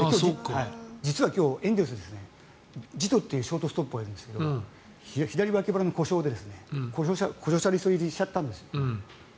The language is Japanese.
実はエンゼルスネトというショートストップがあるんですが左脇腹の故障で故障者リスト入りしちゃったんです。